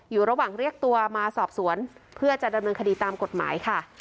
อยู่ระหว่างเรียกตัวมาสอบสวนเพื่อจะดำเนินคดีตามกฎหมายค่ะ